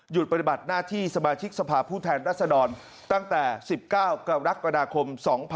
ปฏิบัติหน้าที่สมาชิกสภาพผู้แทนรัศดรตั้งแต่๑๙กรกฎาคม๒๕๖๒